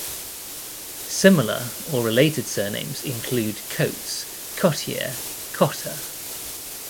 Similar, or related surnames include: "Coates", "Cottier", "Kotter".